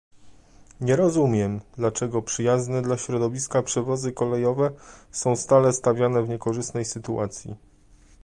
Nie rozumiem, dlaczego przyjazne dla środowiska przewozy kolejowe są stale stawiane w niekorzystnej sytuacji